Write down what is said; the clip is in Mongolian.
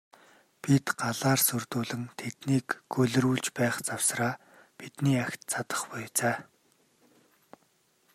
Бид галаар сүрдүүлэн тэднийг гөлрүүлж байх завсраа бидний агт цадах буй за.